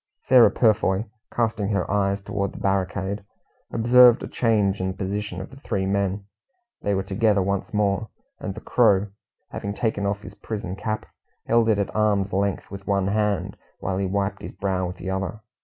Sarah Purfoy, casting her eyes toward the barricade, observed a change in the position of the three men. They were together once more, and the Crow, having taken off his prison cap, held it at arm's length with one hand, while he wiped his brow with the other.